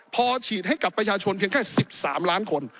พอฉีดให้กับประชาชนเพียงแค่๑๓ล้านคน